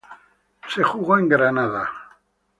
Se jugó en Granada.